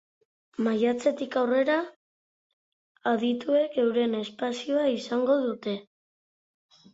Maiatzetik aurrera, adituek euren espazioa izango dute.